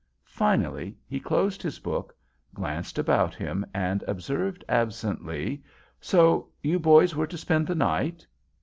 Finally he closed his book, glanced about him, and observed absently: "So you boys were to spend the night?"